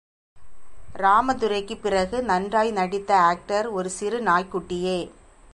ராமதுரைக்குப் பிறகு நன்றாய் நடித்த ஆக்டர், ஒரு சிறு நாய்க்குட்டியே!